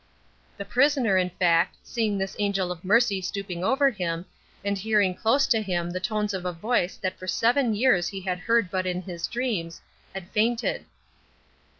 The prisoner, in fact, seeing this angel of mercy stooping over him, and hearing close to him the tones of a voice that for seven years he had heard but in his dreams, had fainted.